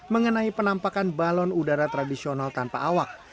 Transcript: mengenai penampakan balon udara tradisional tanpa awak